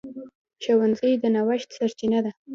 ښوونځی د نوښت سرچینه ده